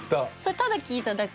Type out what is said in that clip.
ただ聞いただけ。